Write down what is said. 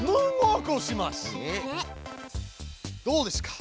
どうですか？